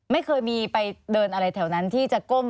ไม่เคยมีไปเดินอะไรแถวนั้นที่จะก้ม